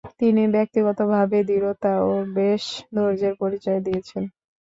তিনি ব্যক্তিগতভাবে দৃঢ়তা ও বেশ ধৈর্য্যের পরিচয় দিয়েছেন।